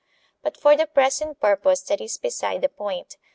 But for the present purpose that is beside the point.